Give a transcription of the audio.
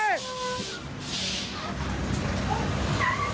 เฮ้ยเฮ้ยเฮ้ย